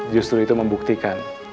justru itu membuktikan